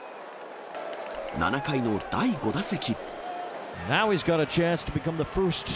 ７回の第５打席。